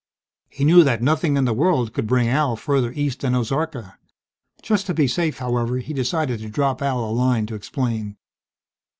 He knew that nothing in the world could bring Al further east than Ozarka. Just to be safe, however, he decided to drop Al a line to explain.